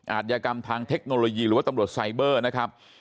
อาจยากรรมทางเทคโนโลยีหรือว่าตำรวจไซเบอร์นะครับ